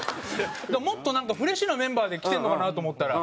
もっとなんかフレッシュなメンバーで来てるのかなと思ったら。